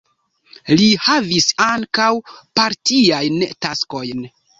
Li havis ankaŭ partiajn taskojn.